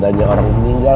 tandanya orang meninggal ya